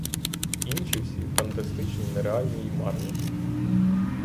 Інші всі — фантастичні, нереальні й марні.